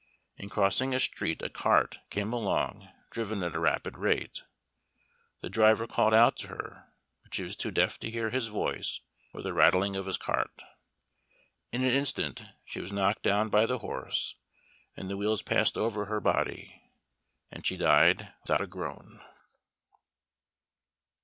In crossing a street a cart came along, driven at a rapid rate. The driver called out to her, but she was too deaf to hear his voice or the rattling of his cart. In an instant she was knocked down by the horse, and the wheels passed over her body, and she died without a groan.